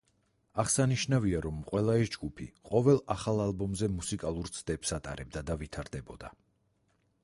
აღსანიშნავია, რომ ყველა ეს ჯგუფი ყოველ ახალ ალბომზე მუსიკალურ ცდებს ატარებდა და ვითარდებოდა.